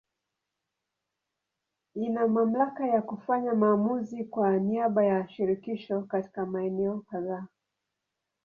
Ina mamlaka ya kufanya maamuzi kwa niaba ya Shirikisho katika maeneo kadhaa.